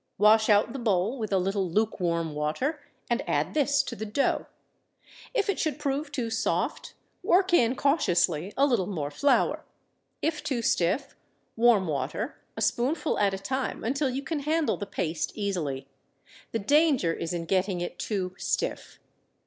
Wash out the bowl with a little lukewarm water and add this to the dough. If it should prove too soft, work in, cautiously, a little more flour. If too stiff, warm water, a spoonful at a time until you can handle the paste easily. _The danger is in getting it too stiff.